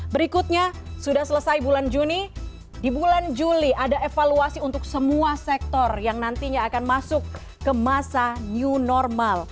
berikutnya sudah selesai bulan juni di bulan juli ada evaluasi untuk semua sektor yang nantinya akan masuk ke masa new normal